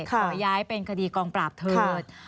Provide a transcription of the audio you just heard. ขอย้ายเป็นคดีกองปราบเถิด